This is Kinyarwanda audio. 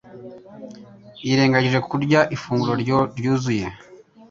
yirengagije kurya ifunguro ryuzuye